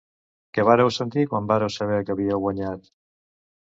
Què vàreu sentir quan vàreu saber que havíeu guanyar?